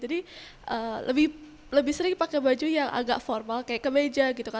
jadi lebih sering pakai baju yang agak formal kayak kemeja gitu kan